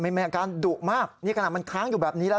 มีอาการดุมากนี่ขนาดมันค้างอยู่แบบนี้แล้ว